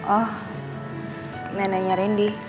oh neneknya rendy